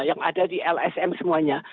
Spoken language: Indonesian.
yang ada di lsm semuanya